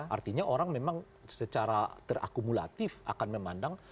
artinya orang memang secara terakumulatif akan memandang